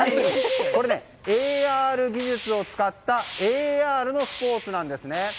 これ、ＡＲ技術を使ったＡＲのスポーツなんですね。